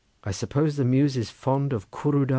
I suppose the Muse is fond of cwrw da."